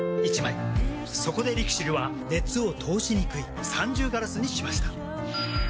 そこでＬＩＸＩＬは熱を通しにくい三重ガラスにしました。